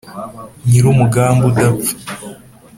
nyiri umugambi udapfa